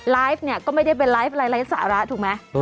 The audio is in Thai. ไลฟ์เนี่ยก็ไม่ได้เป็นไลฟ์ไร้สาระถูกไหม